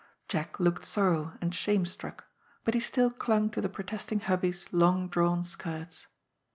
Jack looked sorrow and shame struck« But he still clung to the protesting Hubbie's long drawn skirts.